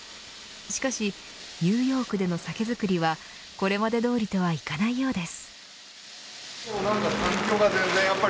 しかしニューヨークでの酒造りはこれまでどおりとはいかないようです。